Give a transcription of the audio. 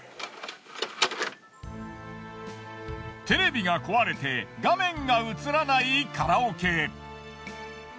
テレビが壊れて画面が映らないカラオケ。